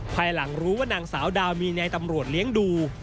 ภายหลังรู้ว่านางสาวดาวมีในตำรวจเลี้ยงดู